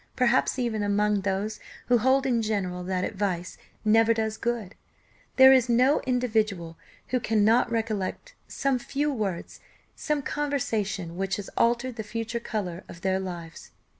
Perhaps even among those who hold in general that advice never does good, there is no individual who cannot recollect some few words some conversation which has altered the future colour of their lives.